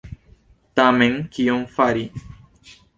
Tamen kion fari?